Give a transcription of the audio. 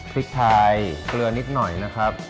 พริกไทยเกลือนิดหน่อยนะครับ